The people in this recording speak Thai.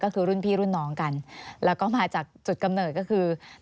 ก็คือรุ่นพี่รุ่นน้องกันแล้วก็มาจากจุดกำเนิดก็คือ